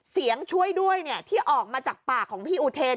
ช่วยด้วยที่ออกมาจากปากของพี่อุเทน